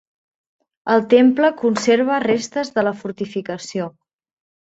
El temple conserva restes de la fortificació.